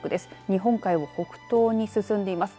日本海を北東に進んでいます。